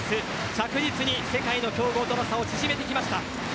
着実に、世界の強豪との差を縮めてきました。